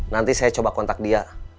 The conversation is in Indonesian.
nanti saya coba kontak dia